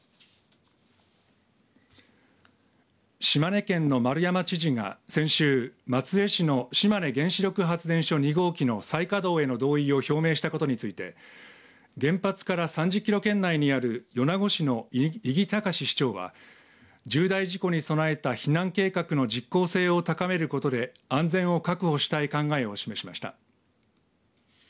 島根県の丸山知事が先週松江市の島根原子力発電所２号機の再稼働への同意を表明したことについて原発から３０キロ圏内にある米子市の伊木隆司市長は重大事故に備えた避難計画の実効性を高めることで安全を確保したい考えを示しました。